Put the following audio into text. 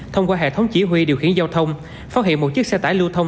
thông qua hệ thống chỉ huy điều khiển giao thông phát hiện một chiếc xe tải lưu thông